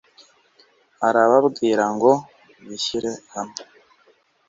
arababwira ngo bishyire hamwe